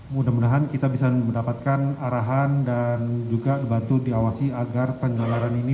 mudah mudahan kita bisa mendapatkan arahan dan juga dibantu diawasi agar penjualan ini